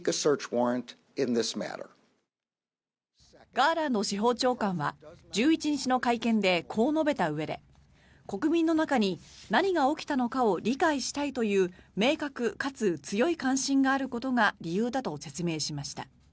ガーランド司法長官は１１日の会見でこう述べたうえで国民の中に何が起きたのかを理解したいという明確かつ強い関心があることが理由だと説明しました。